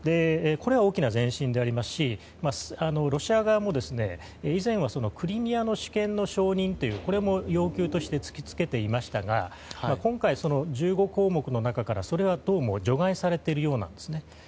これは大きな前進でありますしロシア側も以前はクリミアの主権の承認というこれも要求として突き付けていましたが今回、その１５項目の中からそれは、どうも除外されているようなんですね。